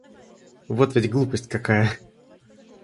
Вот ведь глупость какая!